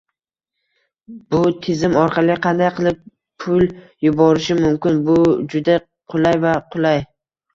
Bu tizim orqali qanday qilib pul yuborishim mumkin? Bu juda qulay va qulay